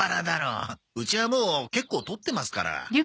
うちはもう結構取ってますから。